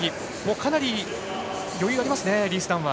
かなり、余裕ありますねリース・ダンは。